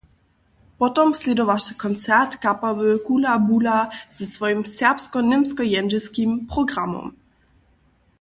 Potom slědowaše koncert kapały Kula Bula ze swojim serbsko-němsko-jendźelskim programom.